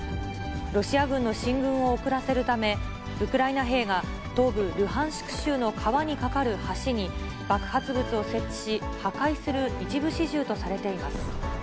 ロシア軍の進軍を遅らせるため、ウクライナ兵が東部ルハンシク州の川に架かる橋に爆発物を設置し、破壊する一部始終とされています。